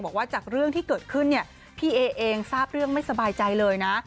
บอกว่าจากเรื่องที่เกิดขึ้นเนี่ยพี่เอเองทราบเรื่องไม่สบายใจเลยนะ